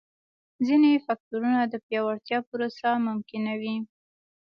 ځیني فکټورونه د پیاوړتیا پروسه ممکنوي.